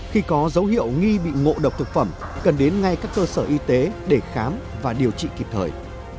khi có dấu hiệu nghi bị ngộ độc thực phẩm cần đến ngay các cơ sở y tế để khám và điều trị kịp thời